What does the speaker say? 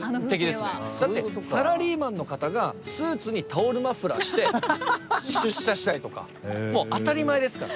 だってサラリーマンの方がスーツにタオルマフラーして出社したりとかもう当たり前ですから。